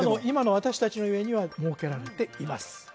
今の私達の家には設けられています